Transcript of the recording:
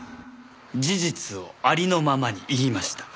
事実をありのままに言いました。